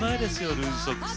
ルーズソックス。